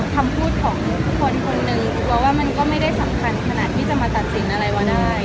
คำพูดของทุกคนคนหนึ่งกลัวว่ามันก็ไม่ได้สำคัญขนาดที่จะมาตัดสินอะไรวะได้